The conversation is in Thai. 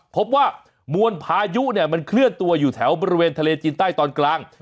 พบว่ามวลพายุเนี่ยมันเคลื่อนตัวอยู่แถวบริเวณทะเลจีนใต้ตอนกลาง